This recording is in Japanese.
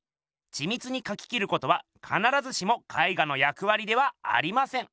ちみつにかき切ることはかならずしも絵画の役わりではありません！